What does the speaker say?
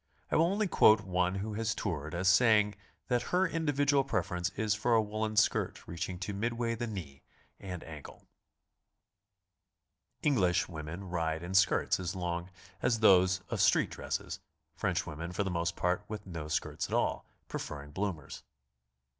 I will only quote one who has toured as saying that her individual preference is for a woolen skirt reaching to midway the knee and ankle. (Eng lish women ride in skirts as long as those of street dresses; French women for the most part with no skirts at all, pre ferring bloomers.)